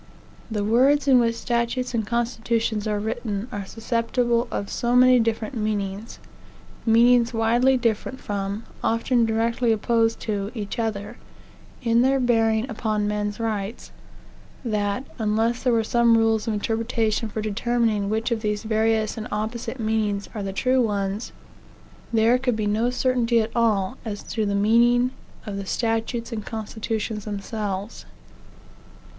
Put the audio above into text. The words in which statutes and constitutions are written are susceptible of so many different meanings, meanings widely different from, often directly opposite to, each other, in their bearing upon men's rights, that, unless there were some rule of interpretation for determining which of these various and opposite meanings are the true ones, there could be no certainty at all as to the meaning of the statutes and constitutions themselves.